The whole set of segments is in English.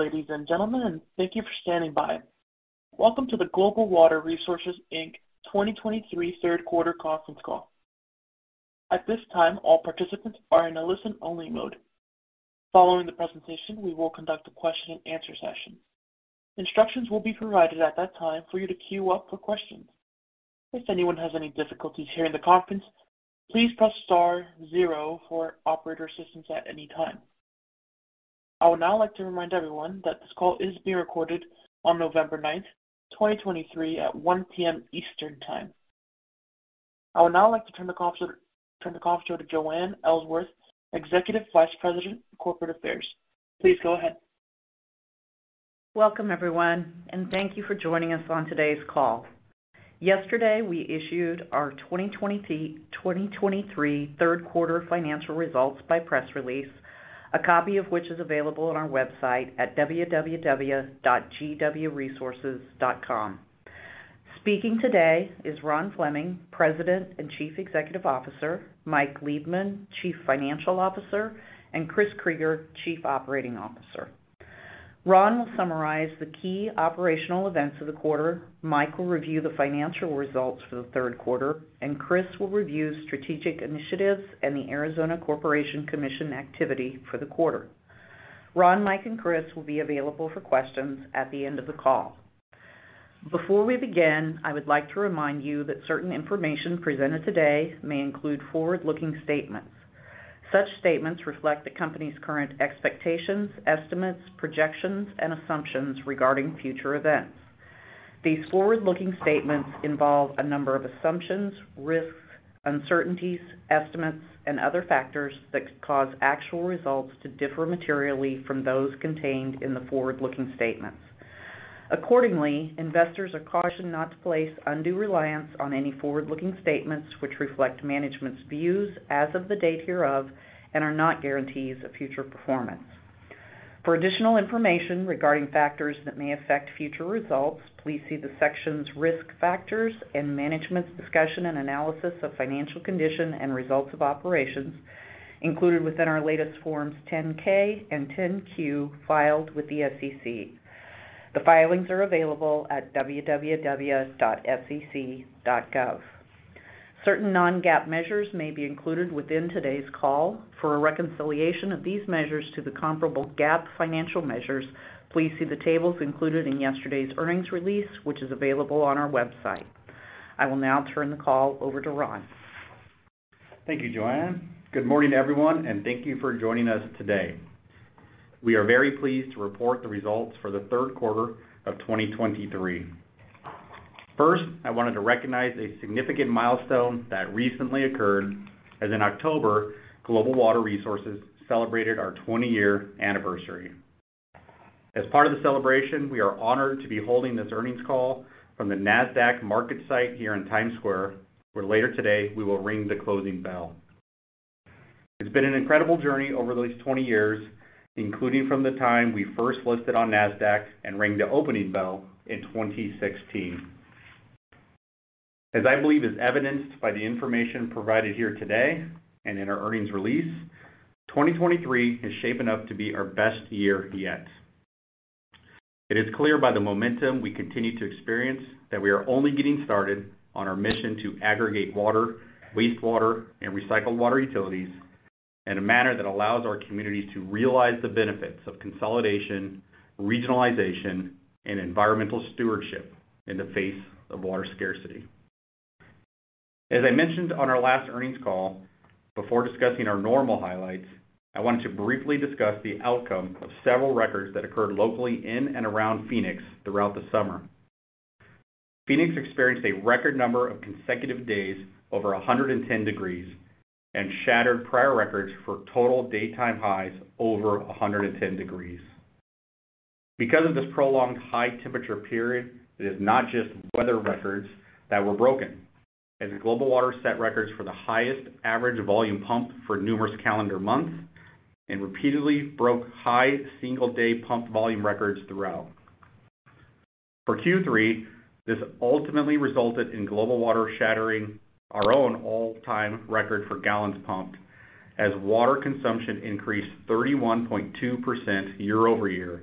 Greetings, ladies and gentlemen, and thank you for standing by. Welcome to the Global Water Resources, Inc. 2023 Q3 conference call. At this time, all participants are in a listen-only mode. Following the presentation, we will conduct a question-and-answer session. Instructions will be provided at that time for you to queue up for questions. If anyone has any difficulties hearing the conference, please press star zero for operator assistance at any time. I would now like to remind everyone that this call is being recorded on November ninth, 2023, at 1:00 P.M. Eastern Time. I would now like to turn the call over to Joanne Ellsworth, Executive Vice President, Corporate Affairs. Please go ahead. Welcome, everyone, and thank you for joining us on today's call. Yesterday, we issued our 2023, 2023 Q3 financial results by press release, a copy of which is available on our website at www.gwresources.com. Speaking today is Ron Fleming, President and Chief Executive Officer, Mike Liebman, Chief Financial Officer, and Chris Krygier, Chief Operating Officer. Ron will summarize the key operational events of the quarter, Mike will review the financial results for the Q3, and Chris will review strategic initiatives and the Arizona Corporation Commission activity for the quarter. Ron, Mike, and Chris will be available for questions at the end of the call. Before we begin, I would like to remind you that certain information presented today may include forward-looking statements. Such statements reflect the company's current expectations, estimates, projections, and assumptions regarding future events. These forward-looking statements involve a number of assumptions, risks, uncertainties, estimates, and other factors that could cause actual results to differ materially from those contained in the forward-looking statements. Accordingly, investors are cautioned not to place undue reliance on any forward-looking statements, which reflect management's views as of the date hereof and are not guarantees of future performance. For additional information regarding factors that may affect future results, please see the sections Risk Factors and Management's Discussion and Analysis of Financial Condition and Results of Operations included within our latest Forms 10-K and 10-Q filed with the SEC. The filings are available at www.sec.gov. Certain non-GAAP measures may be included within today's call. For a reconciliation of these measures to the comparable GAAP financial measures, please see the tables included in yesterday's earnings release, which is available on our website. I will now turn the call over to Ron. Thank you, Joanne. Good morning, everyone, and thank you for joining us today. We are very pleased to report the results for the Q3 of 2023. First, I wanted to recognize a significant milestone that recently occurred, as in October, Global Water Resources celebrated our 20-year anniversary. As part of the celebration, we are honored to be holding this earnings call from the Nasdaq MarketSite here in Times Square, where later today, we will ring the closing bell. It's been an incredible journey over these 20 years, including from the time we first listed on Nasdaq and rang the opening bell in 2016. As I believe is evidenced by the information provided here today and in our earnings release, 2023 is shaping up to be our best year yet. It is clear by the momentum we continue to experience that we are only getting started on our mission to aggregate water, wastewater, and recycled water utilities in a manner that allows our communities to realize the benefits of consolidation, regionalization, and environmental stewardship in the face of water scarcity. As I mentioned on our last earnings call, before discussing our normal highlights, I wanted to briefly discuss the outcome of several records that occurred locally in and around Phoenix throughout the summer. Phoenix experienced a record number of consecutive days over 110 degrees and shattered prior records for total daytime highs over 110 degrees. Because of this prolonged high temperature period, it is not just weather records that were broken, as Global Water set records for the highest average volume pump for numerous calendar months and repeatedly broke high single-day pump volume records throughout. For Q3, this ultimately resulted in Global Water shattering our own all-time record for gallons pumped, as water consumption increased 31.2% year-over-year,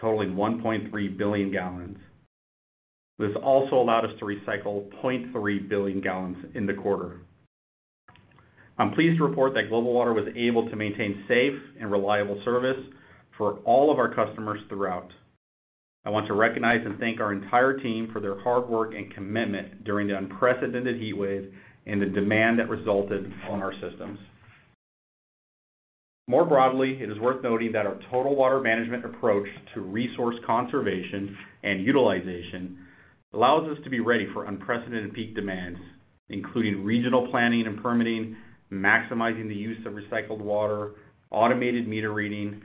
totaling 1.3 billion gallons. This also allowed us to recycle 0.3 billion gallons in the quarter. I'm pleased to report that Global Water was able to maintain safe and reliable service for all of our customers throughout. I want to recognize and thank our entire team for their hard work and commitment during the unprecedented heat wave and the demand that resulted on our systems. More broadly, it is worth noting that our Total Water Management approach to resource conservation and utilization allows us to be ready for unprecedented peak demands, including regional planning and permitting, maximizing the use of recycled water, automated meter reading,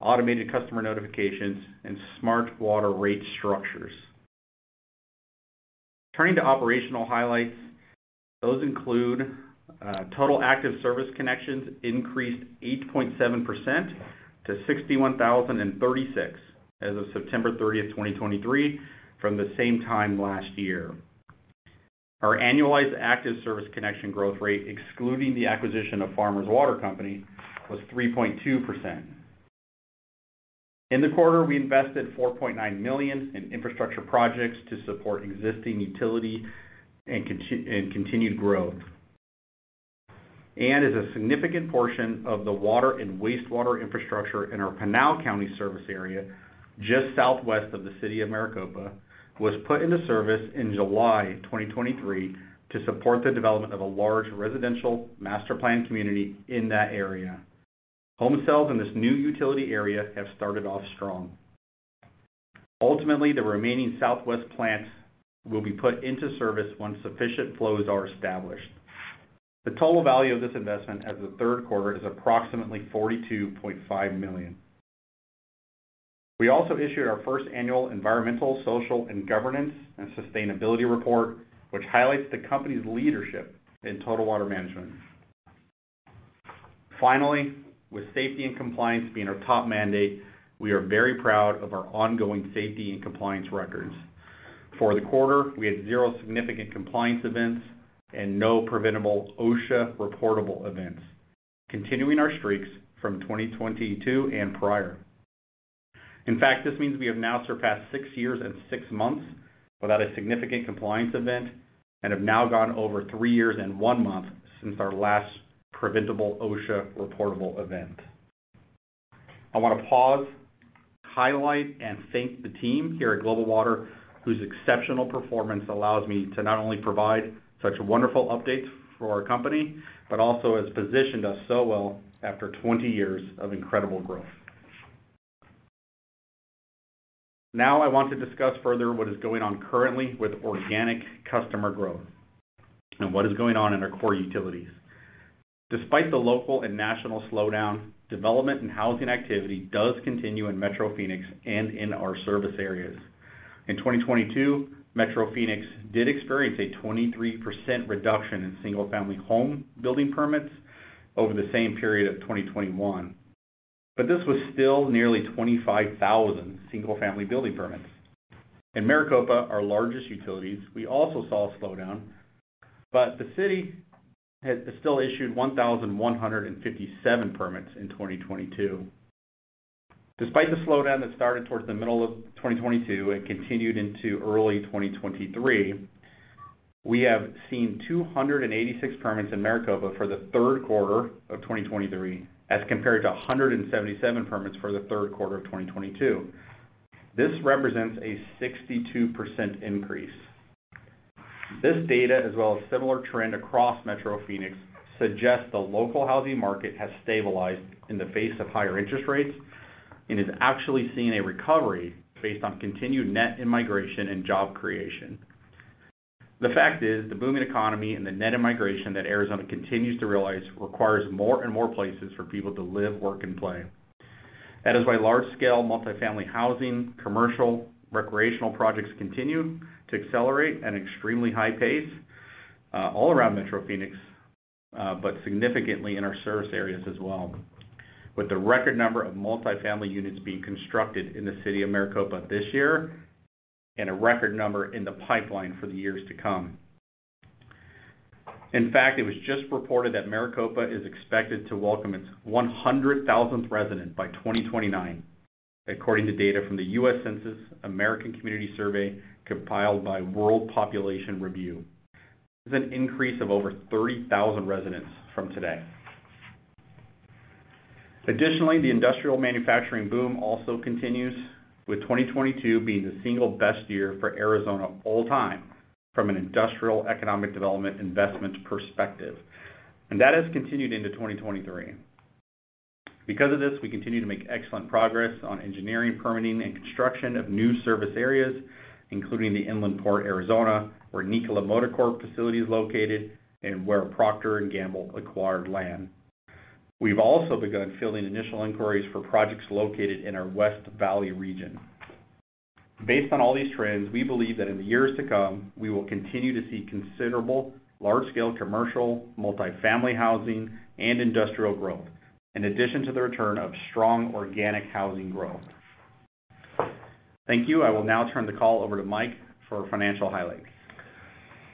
automated customer notifications, and smart water rate structures. Turning to operational highlights, those include total active service connections increased 8.7% to 61,036 as of September 30, 2023, from the same time last year. Our annualized active service connection growth rate, excluding the acquisition of Farmers Water Company, was 3.2%. In the quarter, we invested $4.9 million in infrastructure projects to support existing utility and continued growth. As a significant portion of the water and wastewater infrastructure in our Pinal County service area, just southwest of the city of Maricopa, was put into service in July 2023 to support the development of a large residential master plan community in that area. Home sales in this new utility area have started off strong. Ultimately, the remaining Southwest plant will be put into service once sufficient flows are established. The total value of this investment as of the Q3 is approximately $42.5 million. We also issued our first annual environmental, social, and governance and sustainability report, which highlights the company's leadership in Total Water Management. Finally, with safety and compliance being our top mandate, we are very proud of our ongoing safety and compliance records. For the quarter, we had 0 significant compliance events and no preventable OSHA-reportable events, continuing our streaks from 2022 and prior. In fact, this means we have now surpassed 6 years and 6 months without a significant compliance event and have now gone over 3 years and 1 month since our last preventable OSHA-reportable event. I want to pause, highlight, and thank the team here at Global Water, whose exceptional performance allows me to not only provide such wonderful updates for our company, but also has positioned us so well after 20 years of incredible growth. Now, I want to discuss further what is going on currently with organic customer growth and what is going on in our core utilities. Despite the local and national slowdown, development and housing activity does continue in Metro Phoenix and in our service areas. In 2022, Metro Phoenix did experience a 23% reduction in single-family home building permits over the same period of 2021, but this was still nearly 25,000 single-family building permits. In Maricopa, our largest utilities, we also saw a slowdown, but the city has still issued 1,157 permits in 2022. Despite the slowdown that started towards the middle of 2022 and continued into early 2023, we have seen 286 permits in Maricopa for the Q3 of 2023, as compared to 177 permits for the Q3 of 2022. This represents a 62% increase. This data, as well as similar trend across Metro Phoenix, suggests the local housing market has stabilized in the face of higher interest rates and is actually seeing a recovery based on continued net immigration and job creation. The fact is, the booming economy and the net immigration that Arizona continues to realize requires more and more places for people to live, work, and play. That is why large-scale multifamily housing, commercial, recreational projects continue to accelerate at an extremely high pace, all around Metro Phoenix, but significantly in our service areas as well, with the record number of multifamily units being constructed in the City of Maricopa this year, and a record number in the pipeline for the years to come. In fact, it was just reported that Maricopa is expected to welcome its 100,000th resident by 2029, according to data from the U.S. Census American Community Survey, compiled by World Population Review. This is an increase of over 30,000 residents from today. Additionally, the industrial manufacturing boom also continues, with 2022 being the single best year for Arizona all time from an industrial economic development investment perspective, and that has continued into 2023. Because of this, we continue to make excellent progress on engineering, permitting, and construction of new service areas, including the Inland Port Arizona, where Nikola Motor Corp facility is located and where Procter & Gamble acquired land. We've also begun filling initial inquiries for projects located in our West Valley region. Based on all these trends, we believe that in the years to come, we will continue to see considerable large-scale commercial, multifamily housing, and industrial growth, in addition to the return of strong organic housing growth. Thank you. I will now turn the call over to Mike for financial highlights.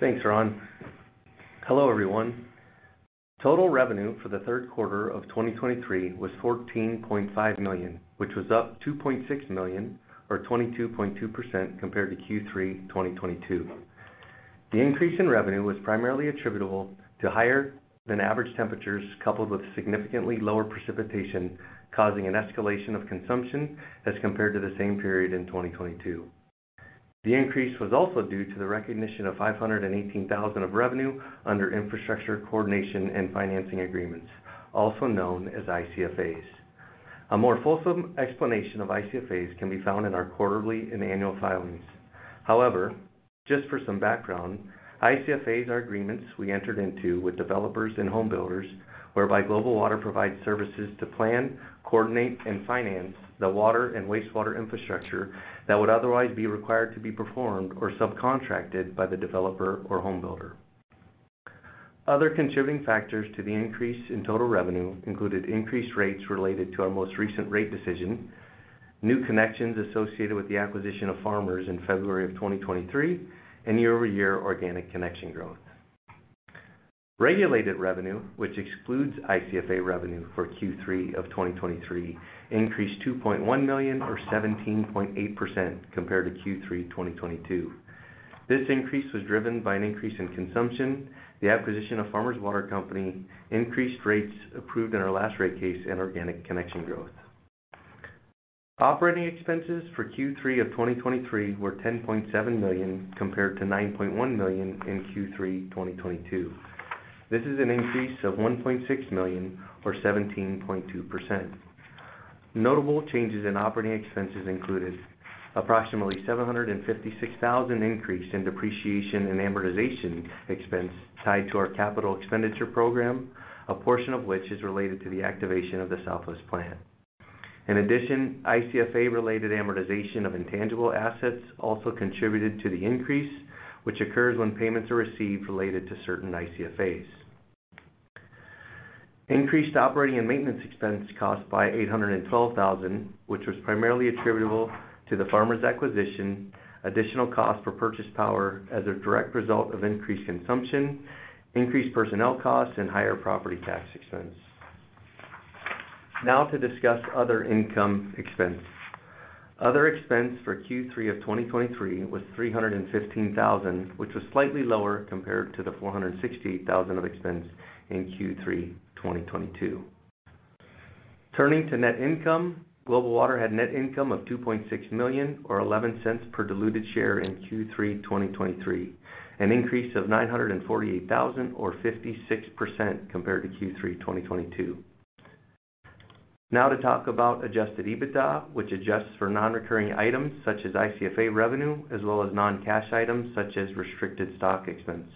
Thanks, Ron. Hello, everyone. Total revenue for the Q3 of 2023 was $14.5 million, which was up $2.6 million, or 22.2% compared to Q3 2022. The increase in revenue was primarily attributable to higher than average temperatures, coupled with significantly lower precipitation, causing an escalation of consumption as compared to the same period in 2022. The increase was also due to the recognition of $518,000 of revenue under Infrastructure Coordination and Financing Agreements, also known as ICFAs. A more fulsome explanation of ICFAs can be found in our quarterly and annual filings. However, just for some background, ICFAs are agreements we entered into with developers and home builders, whereby Global Water provides services to plan, coordinate, and finance the water and wastewater infrastructure that would otherwise be required to be performed or subcontracted by the developer or home builder. Other contributing factors to the increase in total revenue included increased rates related to our most recent rate decision, new connections associated with the acquisition of Farmers in February of 2023, and year-over-year organic connection growth. Regulated revenue, which excludes ICFA revenue for Q3 of 2023, increased $2.1 million, or 17.8% compared to Q3 2022. This increase was driven by an increase in consumption, the acquisition of Farmers Water Company, increased rates approved in our last rate case, and organic connection growth. Operating expenses for Q3 of 2023 were $10.7 million, compared to $9.1 million in Q3 2022. This is an increase of $1.6 million, or 17.2%. Notable changes in operating expenses included approximately $756,000 increase in depreciation and amortization expense tied to our capital expenditure program, a portion of which is related to the activation of the Southwest plant. In addition, ICFA-related amortization of intangible assets also contributed to the increase, which occurs when payments are received related to certain ICFAs. Increased operating and maintenance expense costs by $812,000, which was primarily attributable to the Farmers acquisition, additional costs for purchased power as a direct result of increased consumption, increased personnel costs, and higher property tax expense. Now to discuss other income expense. Other expense for Q3 of 2023 was $315,000, which was slightly lower compared to the $468,000 of expense in Q3 2022. Turning to net income, Global Water had net income of $2.6 million, or $0.11 per diluted share in Q3 2023, an increase of $948,000 or 56% compared to Q3 2022. Now to talk about Adjusted EBITDA, which adjusts for nonrecurring items such as ICFA revenue, as well as non-cash items such as restricted stock expense.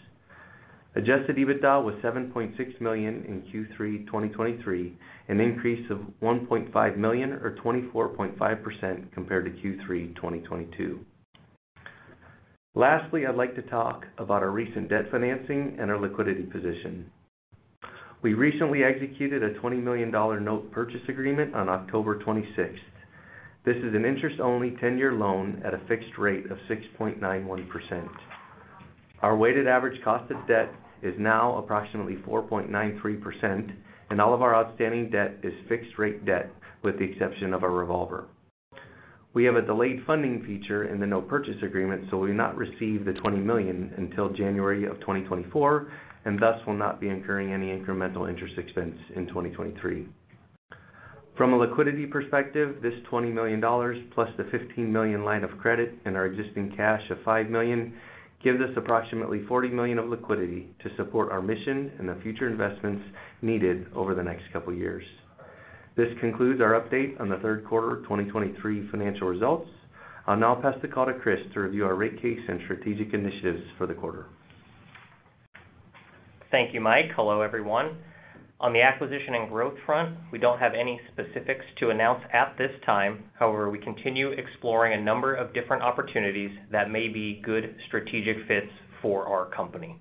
Adjusted EBITDA was $7.6 million in Q3 2023, an increase of $1.5 million, or 24.5% compared to Q3 2022. Lastly, I'd like to talk about our recent debt financing and our liquidity position. We recently executed a $20 million note purchase agreement on October 26th. This is an interest-only 10-year loan at a fixed rate of 6.91%. Our weighted average cost of debt is now approximately 4.93%, and all of our outstanding debt is fixed-rate debt, with the exception of our revolver. We have a delayed funding feature in the note purchase agreement, so we will not receive the $20 million until January 2024, and thus will not be incurring any incremental interest expense in 2023. From a liquidity perspective, this $20 million, plus the $15 million line of credit and our existing cash of $5 million, gives us approximately $40 million of liquidity to support our mission and the future investments needed over the next couple of years. This concludes our update on the Q3 of 2023 financial results. I'll now pass the call to Chris to review our rate case and strategic initiatives for the quarter. Thank you, Mike. Hello, everyone. On the acquisition and growth front, we don't have any specifics to announce at this time. However, we continue exploring a number of different opportunities that may be good strategic fits for our company.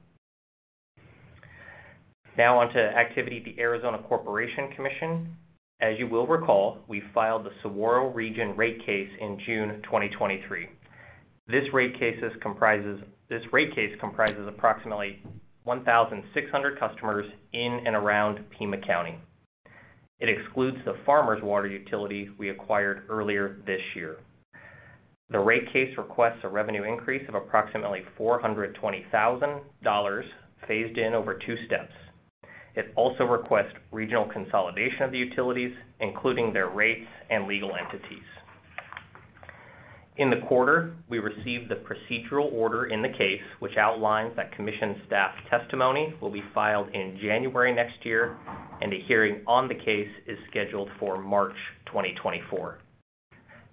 Now on to activity at the Arizona Corporation Commission. As you will recall, we filed the Saguaro region rate case in June 2023. This rate case comprises approximately 1,600 customers in and around Pima County. It excludes the Farmers Water utility we acquired earlier this year. The rate case requests a revenue increase of approximately $420,000, phased in over two steps. It also requests regional consolidation of the utilities, including their rates and legal entities. In the quarter, we received the procedural order in the case, which outlines that commission staff's testimony will be filed in January next year, and a hearing on the case is scheduled for March 2024.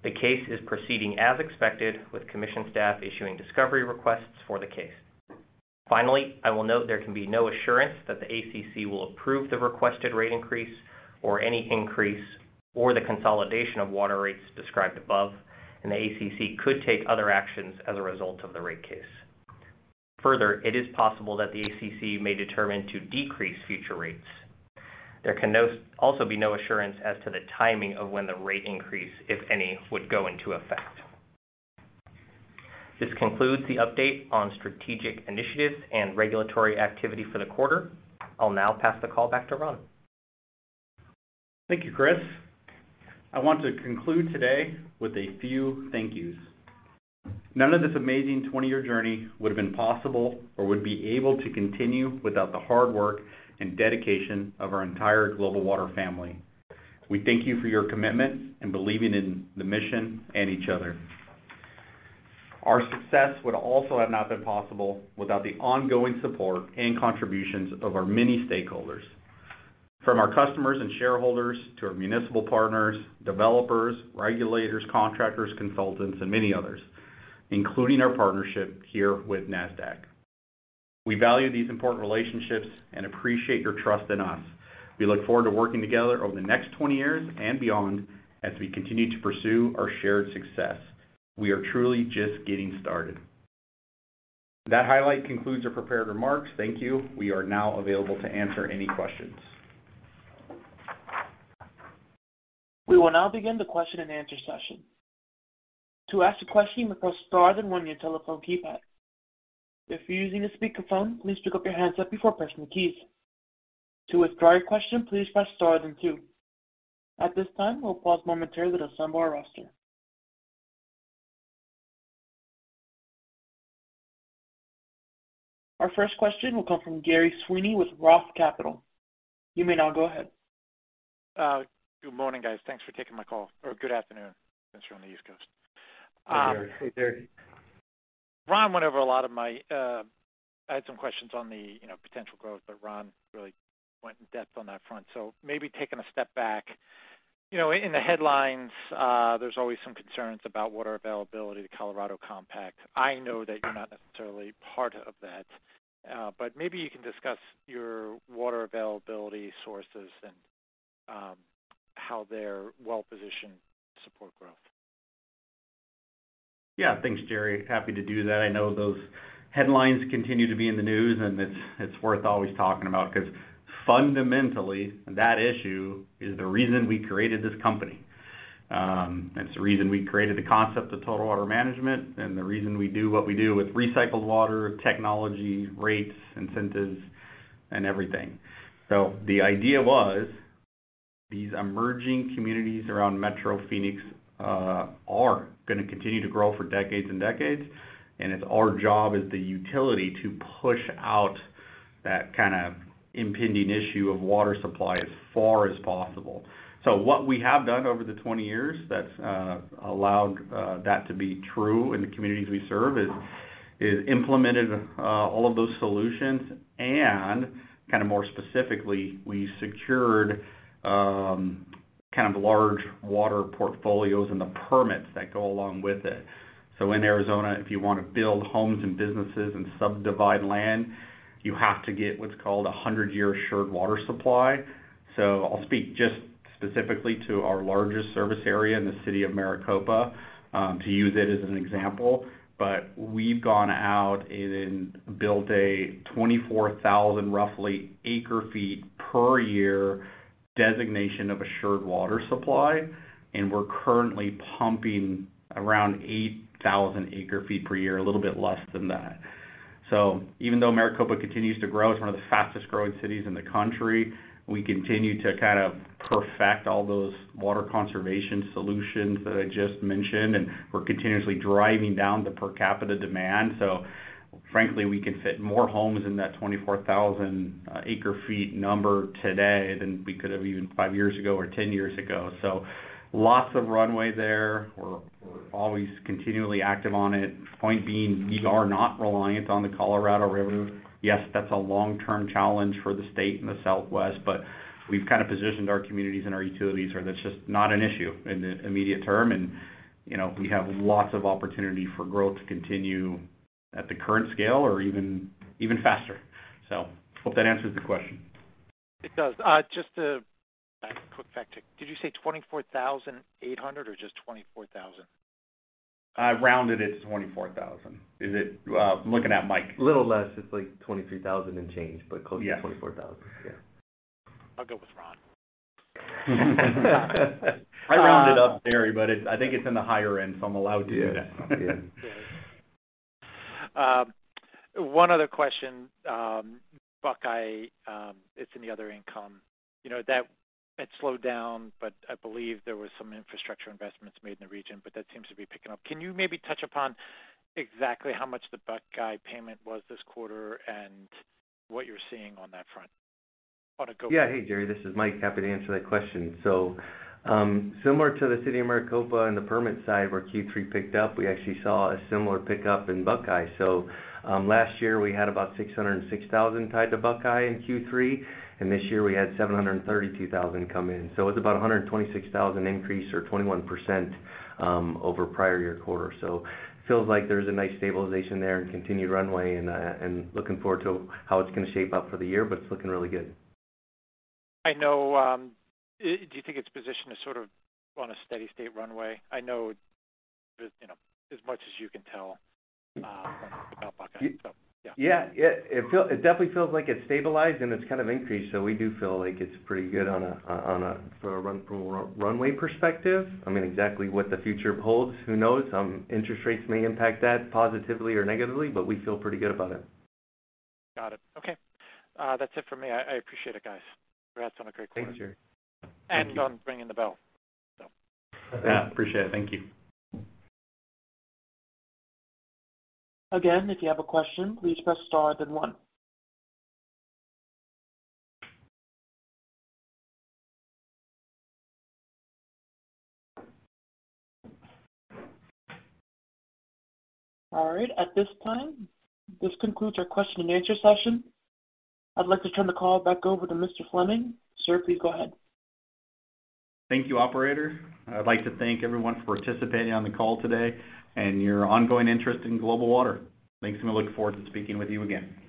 The case is proceeding as expected, with commission staff issuing discovery requests for the case. Finally, I will note there can be no assurance that the ACC will approve the requested rate increase, or any increase, or the consolidation of water rates described above, and the ACC could take other actions as a result of the rate case. Further, it is possible that the ACC may determine to decrease future rates. There can also be no assurance as to the timing of when the rate increase, if any, would go into effect. This concludes the update on strategic initiatives and regulatory activity for the quarter. I'll now pass the call back to Ron. Thank you, Chris. I want to conclude today with a few thank yous. None of this amazing 20-year journey would have been possible or would be able to continue without the hard work and dedication of our entire Global Water family. We thank you for your commitment and believing in the mission and each other. Our success would also have not been possible without the ongoing support and contributions of our many stakeholders, from our customers and shareholders to our municipal partners, developers, regulators, contractors, consultants, and many others, including our partnership here with Nasdaq. We value these important relationships and appreciate your trust in us. We look forward to working together over the next 20 years and beyond as we continue to pursue our shared success. ...We are truly just getting started. That highlight concludes our prepared remarks. Thank you. We are now available to answer any questions. We will now begin the question and answer session. To ask a question, press star, then 1 on your telephone keypad. If you're using a speakerphone, please pick up your handset before pressing the keys. To withdraw your question, please press star then 2. At this time, we'll pause momentarily to assemble our roster. Our first question will come from Gerry Sweeney with Roth Capital. You may now go ahead. Good morning, guys. Thanks for taking my call, or good afternoon, since we're on the East Coast. Hey, Gerry. Hey, Gerry. Ron went over a lot of my, I had some questions on the, you know, potential growth, but Ron really went in-depth on that front, so maybe taking a step back. You know, in the headlines, there's always some concerns about water availability to Colorado Compact. I know that you're not necessarily part of that, but maybe you can discuss your water availability sources and, how they're well-positioned to support growth. Yeah. Thanks, Gerry. Happy to do that. I know those headlines continue to be in the news, and it's worth always talking about, because fundamentally, that issue is the reason we created this company. It's the reason we created the concept of total water management and the reason we do what we do with recycled water, technology, rates, incentives, and everything. So the idea was, these emerging communities around Metro Phoenix are gonna continue to grow for decades and decades, and it's our job as the utility to push out that kind of impending issue of water supply as far as possible. So what we have done over the 20 years that allowed that to be true in the communities we serve is implemented all of those solutions, and kind of more specifically, we secured kind of large water portfolios and the permits that go along with it. So in Arizona, if you want to build homes and businesses and subdivide land, you have to get what's called a 100-year Assured Water Supply. So I'll speak just specifically to our largest service area in the city of Maricopa to use it as an example. But we've gone out and then built a 24,000, roughly, acre-feet per year designation of Assured Water Supply, and we're currently pumping around 8,000 acre-feet per year, a little bit less than that. So even though Maricopa continues to grow, it's one of the fastest growing cities in the country, we continue to kind of perfect all those water conservation solutions that I just mentioned, and we're continuously driving down the per capita demand. So frankly, we can fit more homes in that 24,000 acre feet number today than we could have even five years ago or 10 years ago. So lots of runway there. We're always continually active on it. Point being, we are not reliant on the Colorado River. Yes, that's a long-term challenge for the state and the Southwest, but we've kind of positioned our communities and our utilities, where that's just not an issue in the immediate term, and, you know, we have lots of opportunity for growth to continue at the current scale or even faster. So hope that answers the question. It does. Just a quick fact check. Did you say 24,800 or just 24,000? I rounded it to 24,000. Is it... I'm looking at Mike. Little less. It's like 23,000 and change, but close to 24,000. Yeah. Yeah. I'll go with Ron. I rounded up, Gerry, but it's, I think it's in the higher end, so I'm allowed to do that. Yeah. One other question, Buckeye, it's in the other income. You know, that it slowed down, but I believe there was some infrastructure investments made in the region, but that seems to be picking up. Can you maybe touch upon exactly how much the Buckeye payment was this quarter and what you're seeing on that front on a go- Yeah. Hey, Gerry, this is Mike. Happy to answer that question. So, similar to the city of Maricopa and the permit side, where Q3 picked up, we actually saw a similar pickup in Buckeye. So, last year, we had about $606,000 tied to Buckeye in Q3, and this year we had $732,000 come in. So it's about a $126,000 increase or 21%, over prior year quarter. So feels like there's a nice stabilization there and continued runway, and, and looking forward to how it's going to shape up for the year, but it's looking really good. I know, do you think it's positioned as sort of on a steady state runway? I know, you know, as much as you can tell, about Buckeye. So, yeah. Yeah. It definitely feels like it's stabilized and it's kind of increased, so we do feel like it's pretty good on a from a runway perspective. I mean, exactly what the future holds, who knows? Interest rates may impact that positively or negatively, but we feel pretty good about it. Got it. Okay. That's it for me. I appreciate it, guys. Congrats on a great quarter. Thanks, Gerry. On ringing the bell, so. Yeah, appreciate it. Thank you. Again, if you have a question, please press star then one. All right. At this time, this concludes our question and answer session. I'd like to turn the call back over to Mr. Fleming. Sir, please go ahead. Thank you, operator. I'd like to thank everyone for participating on the call today and your ongoing interest in Global Water. Thanks, and we look forward to speaking with you again.